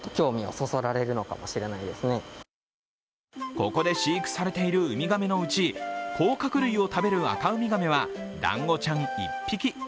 ここで飼育されているウミガメのうち、甲殻類を食べるアカウミガメはだんごちゃん１匹。